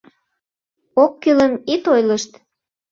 — Оккӱлым ит ойлышт.